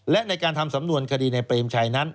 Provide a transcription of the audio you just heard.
และในการทำสำนวนคดีในเปรมชัยนั้น